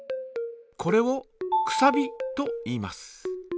これを「くさび」といいます。